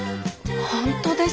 本当ですか？